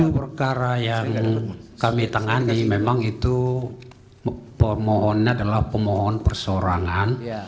perkara yang kami tangani memang itu permohonnya adalah pemohon persorangan